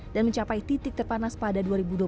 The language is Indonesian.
dan mencapai titik terpanas pada dua ribu dua puluh satu